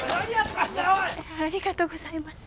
ありがとうございます。